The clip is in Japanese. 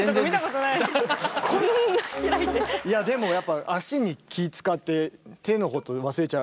いやでもやっぱ足に気ぃ遣って手のこと忘れちゃう。